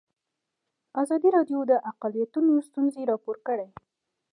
ازادي راډیو د اقلیتونه ستونزې راپور کړي.